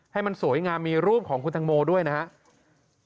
ให้มันสวยงามมีรูปของคุณตังโมด้วยนะครับ